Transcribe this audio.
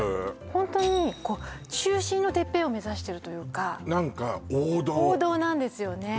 ホントにこう中心のてっぺんを目指してるというか何か王道うん王道なんですよね